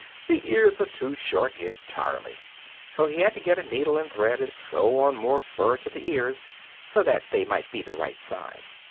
the ears are too short entirely!' So he had to get a needle and thread and sew on more fur to the ears, so that they might be the right size.